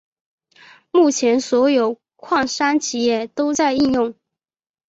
目前所有的矿山企业都在应用。